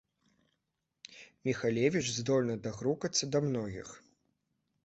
Міхалевіч здольны дагрукацца да многіх.